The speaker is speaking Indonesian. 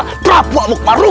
ketua nylogak saya atas doanya